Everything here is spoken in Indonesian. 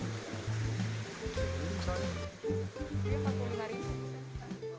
selain itu ikan cupang ini juga sangat mudah dibuat